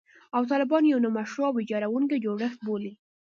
او طالبان یو «نامشروع او ویجاړوونکی جوړښت» بولي